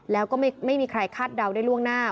แล้วก็ไม่มีใครคาดเดาได้ล่วงหน้า